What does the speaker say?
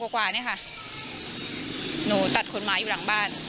กว่านี่ค่ะหนูตัดขนไม้อยู่หลังบ้าน